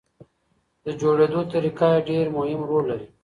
د جوړېدو طریقه یې ډېر مهم رول لري.